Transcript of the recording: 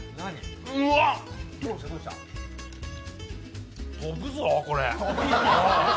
うわあ、飛ぶぞ、これ。